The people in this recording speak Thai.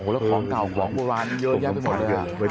แล้วของต่ำของประวัติญาติเพลง